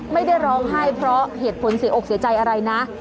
ไม่ได้ร้องไห้เพราะเหตุผลเสียอกเสียใจอะไรนะ